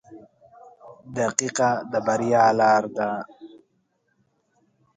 • دقیقه د بریا لار ده.